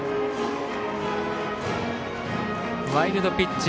ワイルドピッチ。